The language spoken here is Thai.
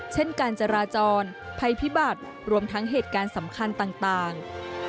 เช่นการจราจรภัยพิบัตรรวมทั้งเหตุการณ์สำคัญต่าง